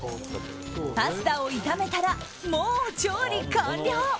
パスタを炒めたらもう調理完了！